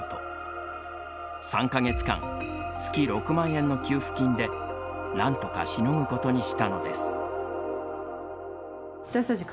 ３か月間、月６万円の給付金で何とかしのぐことにしたのです。